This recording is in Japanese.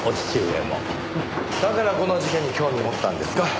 だからこの事件に興味持ったんですか？